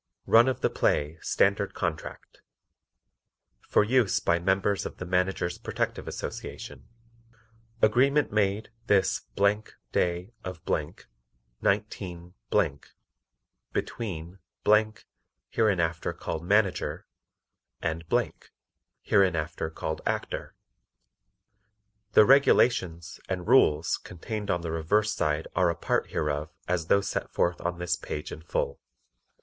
RUN OF THE PLAY STANDARD CONTRACT For Use by Members of the Managers' Protective Association AGREEMENT made this day of , 19 , between (hereinafter Called "Manager") and (hereinafter Called "Actor"). The REGULATIONS and RULES contained on the reverse side are a part hereof as though set forth on this page in full.